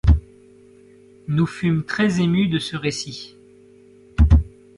Nous fûmes très émus de ce récit.